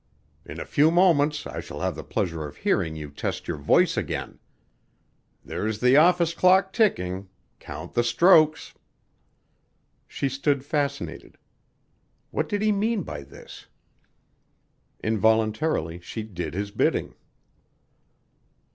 In a few moments I shall have the pleasure of hearing you test your voice again. There's the office clock ticking; count the strokes." She stood fascinated. What did he mean by this? Involuntarily she did his bidding.